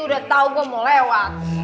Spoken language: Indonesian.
udah tau gue mau lewat